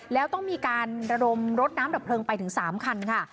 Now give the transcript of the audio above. แล้วต้องมีการระดมรถน้ำดับเพลิงไปถึง๓คันค่ะ